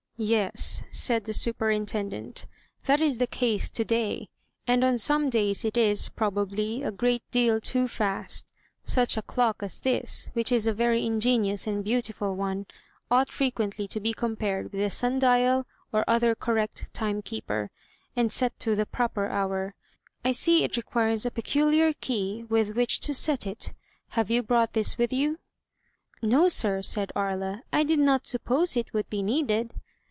"Yes," said the superintendent, "that is the case today, and on some days it is, probably, a great deal too fast. Such a clock as this — which is a very ingenious and beautiful one — ought frequently to be compared with a sim dial or other correct time keeper, and set to the proper hour. I see it requires a peculiar key with which to set it. Have you brought this with you?" "No sir," said Aria; "I did not suppose it would be needed."